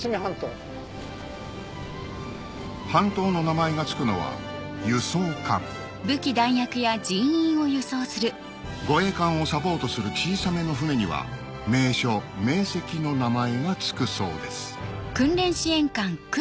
半島の名前が付くのは輸送艦護衛艦をサポートする小さめの船には名所名跡の名前が付くそうです